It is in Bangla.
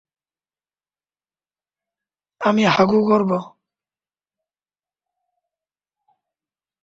আমি হাগু করব।